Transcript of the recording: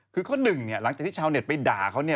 คือข้อหนึ่งเนี่ยหลังจากที่ชาวเน็ตไปด่าเขาเนี่ย